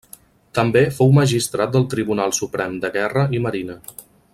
També fou Magistrat del Tribunal Suprem de Guerra i Marina.